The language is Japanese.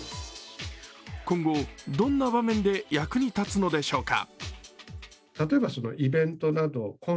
今後、どんな場面で役に立つのでしょうか。